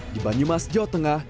di banyumas jawa tengah